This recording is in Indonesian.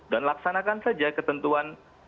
dan laksanakan saja ketentuan